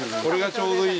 ◆ちょうどいい？